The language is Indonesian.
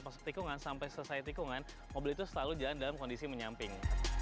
masuk tikungan sampai selesai tikungan mobil itu selalu jalan dalam kondisi menyamping